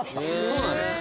そうなんです